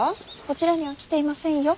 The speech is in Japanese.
こちらには来ていませんよ。